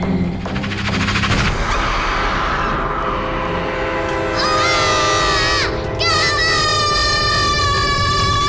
tidak ada siapa siapa kok di sini